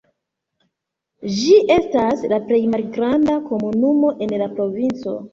Ĝi estas la plej malgranda komunumo en la provinco.